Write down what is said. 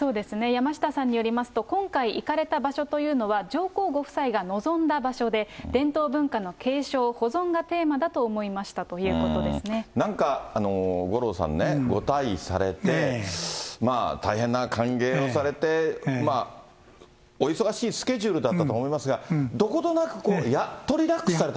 山下さんによりますと、今回行かれた場所というのは、上皇ご夫妻が望んだ場所で伝統文化の継承、保存がテーマだと思いなんか五郎さんね、ご退位されて、大変な歓迎をされて、お忙しいスケジュールだったと思いますが、どことなく、やっとリラックスされた。